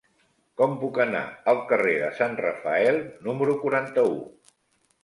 Com puc anar al carrer de Sant Rafael número quaranta-u?